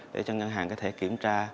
để cho ngân hàng có thể kiểm tra